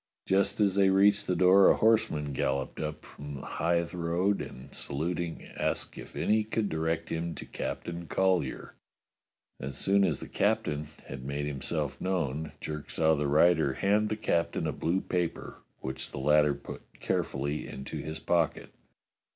Just as they reached the door a horseman galloped up from the Hythe Road and, saluting, asked if any could direct him to Captain Collyer. As soon as the captain had made himself know^n, Jerk saw the rider hand the captain a blue paper, which the latter put carefully into his pocket.